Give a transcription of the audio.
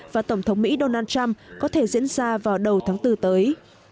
và tổng thống mỹ donald trump có thể diễn ra vào đầu tháng bốn tới